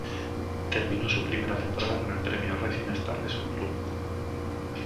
Terminó su primera temporada con el premio Rising Star de su club.